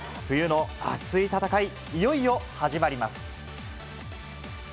冬の熱い戦い、いよいよ始まります。